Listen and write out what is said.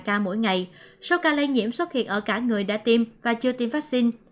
trong ngày số ca lây nhiễm xuất hiện ở cả người đã tiêm và chưa tiêm vaccine